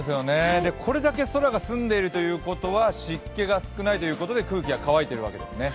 これだけ空が澄んでいるということは湿気が少なくて空気が乾いているわけですね。